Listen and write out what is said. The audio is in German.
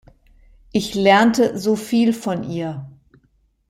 Ich lernte so viel von ihr".